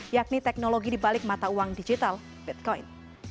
yakni teknologi di balik mata uang digital bitcoin